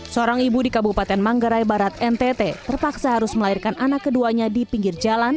seorang ibu di kabupaten manggarai barat ntt terpaksa harus melahirkan anak keduanya di pinggir jalan